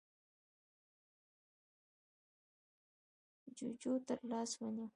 جُوجُو تر لاس ونيو: